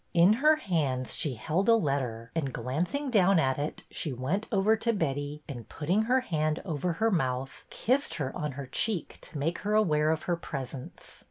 In her hands she held a letter, and, glancing down at it, she went over to Betty, and, putting her hand over her mouth, kissed her on her cheek to make her aware of her presence.